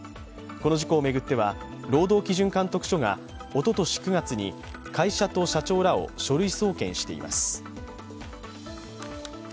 この事故を巡っては労働基準監督署がおととし９月に会社と社長らを書類送検しています。